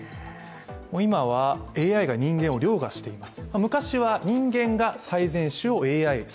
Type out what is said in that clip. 今は、ＡＩが人間をりょうがしています。